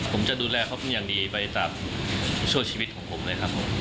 ผมจะดูแลเขาเป็นอย่างดีไปตามชั่วชีวิตของผมเลยครับผม